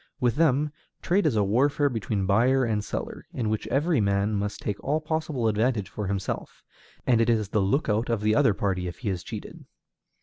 With them, trade is a warfare between buyer and seller, in which every man must take all possible advantage for himself, and it is the lookout of the other party if he is cheated.